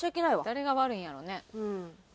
誰が悪いんやろうね？